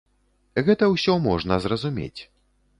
Гэта ўсё можна зразумець.